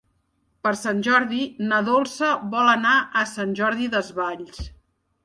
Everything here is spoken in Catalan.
Per Sant Jordi na Dolça vol anar a Sant Jordi Desvalls.